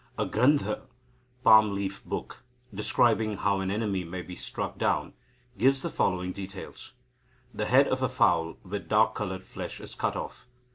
A grandha (palm leaf book), describing how an enemy may be struck down, gives the following details. The head of a fowl with dark coloured flesh is cut off.